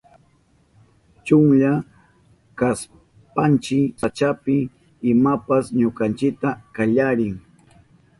Chunlla kashpanchi sachapi imapas ñukanchita kayllayan.